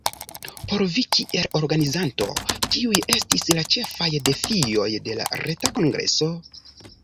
Por vi kiel organizanto, kiuj estis la ĉefaj defioj de la reta kongreso?